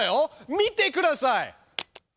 見てください。